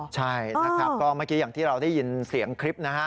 ใช่นะครับก็เมื่อกี้อย่างที่เราได้ยินเสียงคลิปนะฮะ